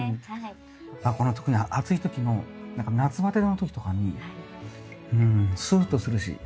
この特に暑い時の何か夏バテの時とかにうんすっとするし。